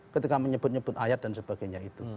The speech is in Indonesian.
ketika menyebut nyebut ayat dan sebagainya itu